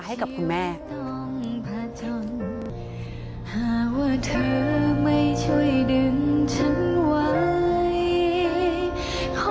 ชีวิตต้องพาจนหากว่าเธอไม่ช่วยดึงฉันไหว